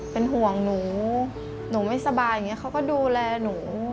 เป็นห่วงหนูหนูไม่สบายอย่างนี้เขาก็ดูแลหนู